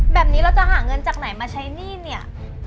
แบบนี้เราจะหาเงินจากไหนมาใช้หนี้เนี่ย